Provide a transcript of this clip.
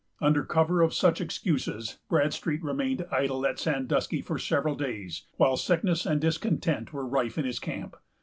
Under cover of such excuses, Bradstreet remained idle at Sandusky for several days, while sickness and discontent were rife in his camp.